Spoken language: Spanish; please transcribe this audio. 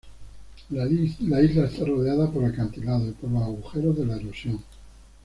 La isla está rodeada por acantilados y por los agujeros de la erosión.